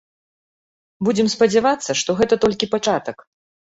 Будзем спадзявацца, што гэта толькі пачатак.